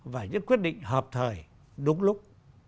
và những quyết định hợp thời đúng lúc